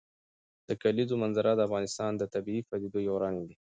د کلیزو منظره د افغانستان د طبیعي پدیدو یو رنګ دی.